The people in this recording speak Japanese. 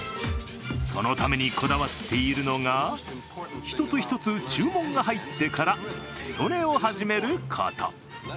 そのためにこだわっているのが一つ一つ注文が入ってから手ごねを始めること。